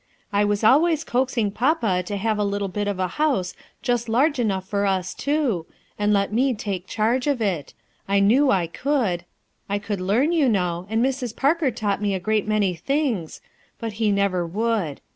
I was always coaxing papa to have a little bit of a house just Urge enough for us two, and let inc 203 201 RUTH ERSKINE'S SON take charge of it; I knew I could; I could learn, you know, ami Mrs. Parker taught mc a great many tilings; but he never would.